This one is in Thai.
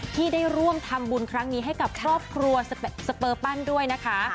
ที่ได้ร่วมทำบุญครั้งนี้ให้กับครอบครัวสเปอร์ปั้นด้วยนะคะ